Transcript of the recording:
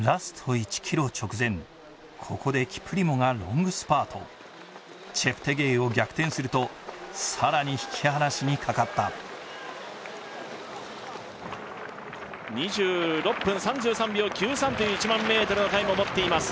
１ｋｍ直前ここでキプリモがロングスパートチェプテゲイを逆転するとさらに引き離しにかかった２６分３３秒９３という１００００ｍのタイムを持っています